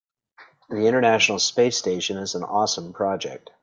The international space station is an awesome project.